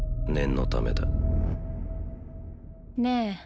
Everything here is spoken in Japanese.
念のためだねえ